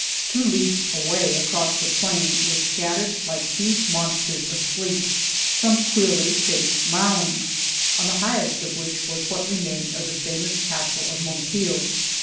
Two leagues away, across the plain, were scattered, like huge monsters asleep, some queerly shaped mounds, on the highest of which was what remained of the famous Castle of Monteil.